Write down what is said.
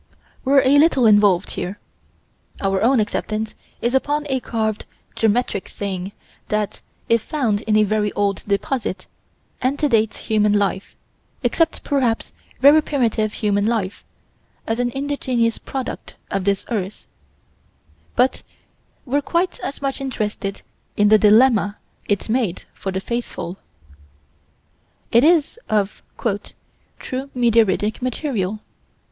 We're a little involved here. Our own acceptance is upon a carved, geometric thing that, if found in a very old deposit, antedates human life, except, perhaps, very primitive human life, as an indigenous product of this earth: but we're quite as much interested in the dilemma it made for the faithful. It is of "true meteoritic material."